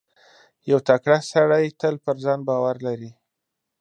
• یو تکړه سړی تل پر ځان باور لري.